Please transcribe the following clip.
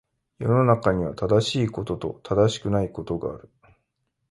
世の中には、正しいことと正しくないことがある。